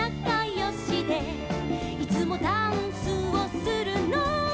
「いつもダンスをするのは」